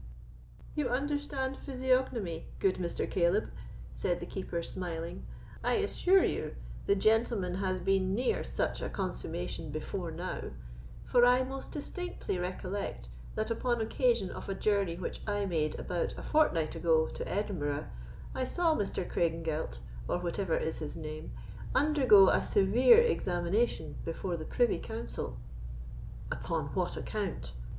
"You understand physiognomy, good Mr. Caleb," said the Keeper, smiling; "I assure you the gentleman has been near such a consummation before now; for I most distinctly recollect that, upon occasion of a journey which I made about a fortnight ago to Edinburgh, I saw Mr. Craigengelt, or whatever is his name, undergo a severe examination before the privy council." "Upon what account?"